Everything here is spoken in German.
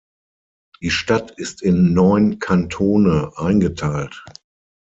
Die Stadt ist in neun Kantone eingeteilt.